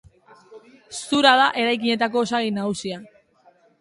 Zura da eraikinetako osagai nagusia.